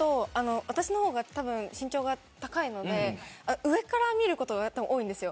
私の方がたぶん身長が高いので上から見ることが多いんです。